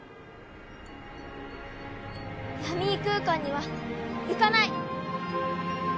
ヤミー空間には行かない。